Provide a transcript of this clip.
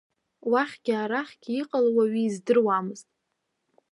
Уахьгьы, арахьгьы иҟало уаҩы издыруамызт.